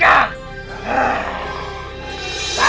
kamu yang membunuhnya